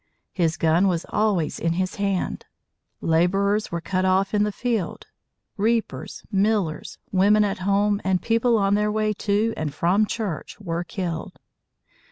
His gun was always in his hand. Laborers were cut off in the field. Reapers, millers, women at home, and people on their way to and from church were killed.